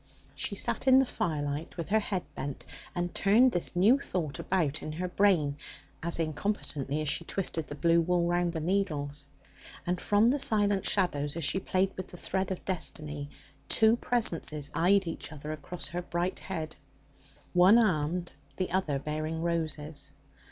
She sat in the firelight with her head bent, and turned this new thought about in her brain as incompetently as she twisted the blue wool round the needles. And from the silent shadows, as she played with the thread of destiny, two presences eyed each other across her bright head one armed, the other bearing roses.